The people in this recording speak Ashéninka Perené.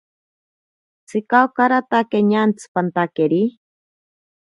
Tsika okaratake ñantsi pantakeri.